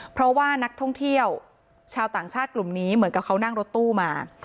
เพราะว่านักท่องเที่ยวชาวต่างชาติกลุ่มนี้เหมือนกับเขานั่งรถตู้มา